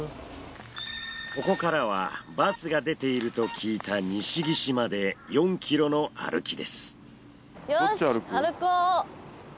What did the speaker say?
ここからはバスが出ていると聞いた西岸まで４ｋｍの歩きです。